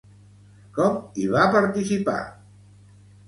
Com hi va participar?